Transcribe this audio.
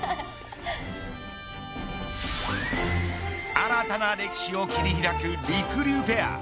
新たな歴史を切り開くりくりゅうペア。